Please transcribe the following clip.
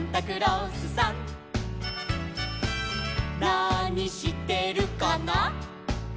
「なにしてるかな」